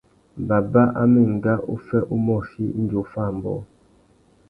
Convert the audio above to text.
Baba a mà enga uffê umôchï indi offa ambōh.